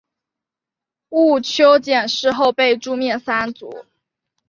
毋丘俭事后被诛灭三族。